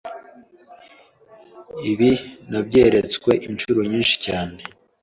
Ibi nabyeretswe incuro nyinshi cyane.